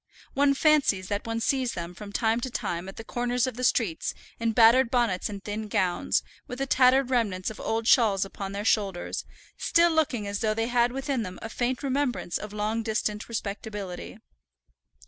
One fancies that one sees them from time to time at the corners of the streets in battered bonnets and thin gowns, with the tattered remnants of old shawls upon their shoulders, still looking as though they had within them a faint remembrance of long distant respectability.